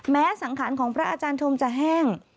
สังขารของพระอาจารย์ชมจะแห้ง